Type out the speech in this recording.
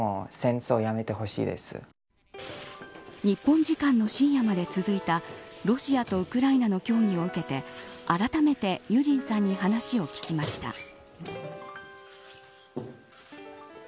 日本時間の深夜まで続いたロシアとウクライナの協議を受けてあらためてユジンさんに話を聞きました。